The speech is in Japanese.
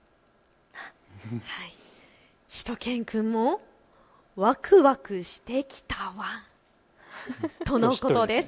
しゅと犬くんもワクワクしてきたワンとのことです。